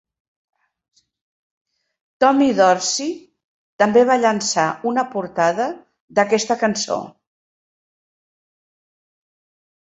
Tommy Dorsey també va llançar una portada d"aquesta cançó.